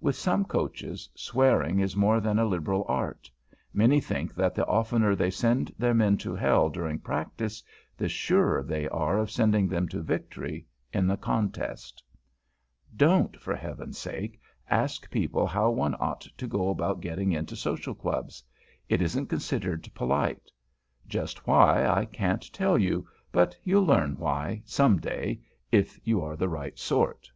With some Coaches, swearing is more than a liberal art; many think that the oftener they send their men to Hell during practice, the surer they are of sending them to Victory in the contest. [Sidenote: ABOUT SOCIAL CLUBS] Don't, for Heaven's sake, ask people how one ought to go about getting into Social clubs. It isn't considered polite. Just why, I can't tell you; but you'll learn why, some day, if you are the right sort.